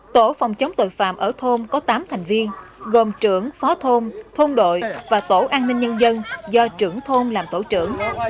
tổ phòng chống tội phạm ở thôn có tám thành viên gồm trưởng phó thôn thôn thôn đội và tổ an ninh nhân dân do trưởng thôn làm tổ trưởng